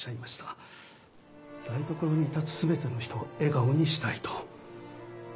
台所に立つ全ての人を笑顔にしたいと。